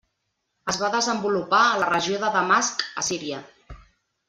Es va desenvolupar a la regió de Damasc a Síria.